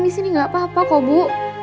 karin disini gak apa apa kok ibu